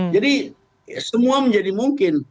jadi semua menjadi mungkin